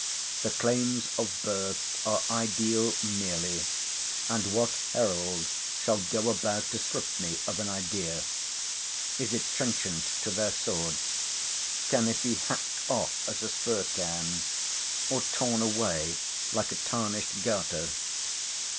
The claims of birth are ideal merely, and what herald shall go about to strip me of an idea? Is it trenchant to their swords? can it be hacked off as a spur can? or torn away like a tarnished garter?